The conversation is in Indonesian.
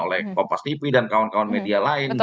oleh kompas tv dan kawan kawan media lain